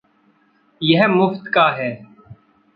यह मुफ़्त का है।